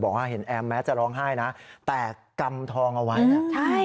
บอกว่าเห็นแอมแม้จะร้องไห้นะแต่กำทองเอาไว้นะใช่